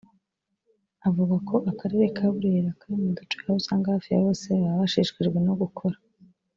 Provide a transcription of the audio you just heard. avuga ko Akarere ka Burera kari mu duce aho usanga hafi ya bose baba bashishikajwe no gukora